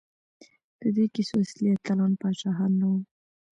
د دې کیسو اصلي اتلان پاچاهان نه وو.